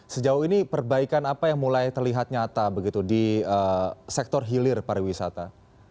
sejauh ini perbaikan apa yang mulai terlihat nyata begitu di sektor hilir pariwisata